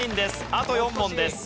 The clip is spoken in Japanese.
あと４問です。